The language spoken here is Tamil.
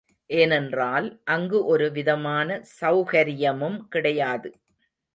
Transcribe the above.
ஏனென்றால் அங்கு ஒரு விதமான செளகரியமும் கிடையாது.